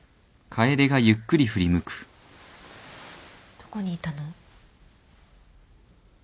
どこにいたの？